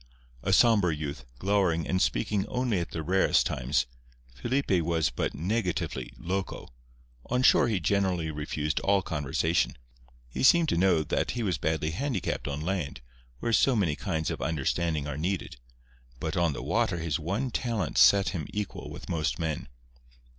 A sombre youth, glowering, and speaking only at the rarest times, Felipe was but negatively "loco." On shore he generally refused all conversation. He seemed to know that he was badly handicapped on land, where so many kinds of understanding are needed; but on the water his one talent set him equal with most men.